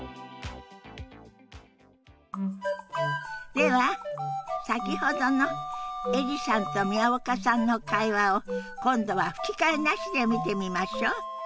では先ほどのエリさんと宮岡さんの会話を今度は吹き替えなしで見てみましょう。